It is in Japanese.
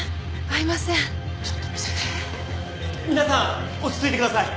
皆さん落ち着いてください！